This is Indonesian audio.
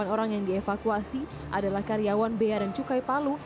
sembilan orang yang dievakuasi adalah karyawan bea dan cukai palu